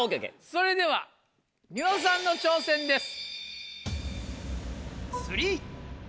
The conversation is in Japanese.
それではニノさんの挑戦です。